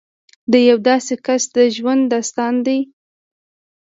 د یو داسې کس د ژوند داستان دی